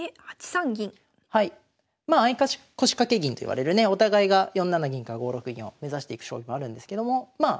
まあ相腰掛け銀といわれるねお互いが４七銀か５六銀を目指していく将棋もあるんですけどもまあ